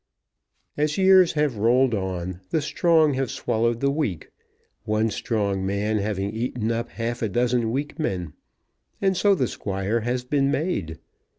As years have rolled on, the strong have swallowed the weak, one strong man having eaten up half a dozen weak men. And so the squire has been made.